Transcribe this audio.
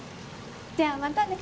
じゃあまたね。